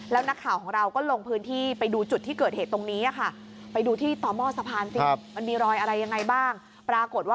แล้วนักข่าวของเราก็ลงพื้นที่ไปดูจุดที่เกิดเหตุตรงนี้ค่ะ